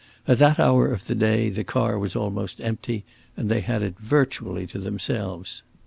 At that hour of the day the car was almost empty, and they had it virtually to themselves.